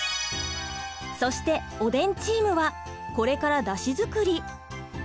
そしておでんチームはこれからだし作り。